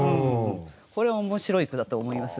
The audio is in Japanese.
これは面白い句だと思います。